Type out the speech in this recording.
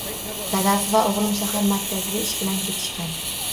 Dadasi va o`g`lim shahar markaziga ish bilan ketishgan